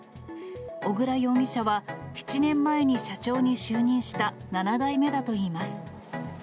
小倉容疑者は７年前に社長に就任した７代目だといいます。